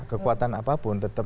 kekuatan apapun tetap